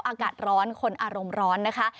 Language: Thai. อากาศร้อนคนอารมณ์ร้อนนะคะ